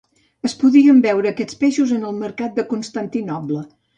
Es podien veure aquests peixos en el mercat de Constantinoble.